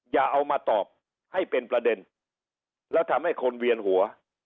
อย่าเอามาตอบให้เป็นประเด็นแล้วทำให้คนเวียนหัว